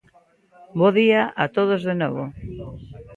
Bo día a todos de novo.